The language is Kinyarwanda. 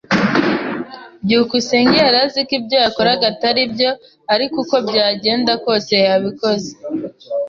byukusenge yari azi ko ibyo yakoraga atari byo, ariko uko byagenda kose yabikoze.